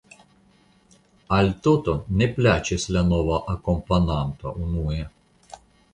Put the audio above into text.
Al Toto ne plaĉis la nova akompananto, unue.